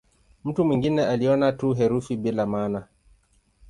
Mtu mwingine aliona tu herufi bila maana.